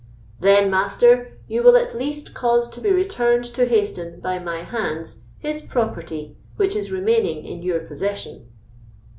"Then, Master, you will at least cause to be returned to Hayston, by my hands, his property which is remaining in your possession."